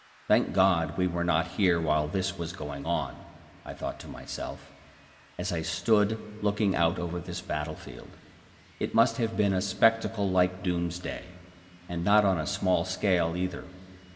Thank God we were not here while this was going on, I thought to myself, as I stood looking out over this battlefield; it must have been a spectacle like doomsday, and not on a small scale either.